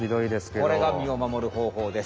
これが身を守るほうほうです。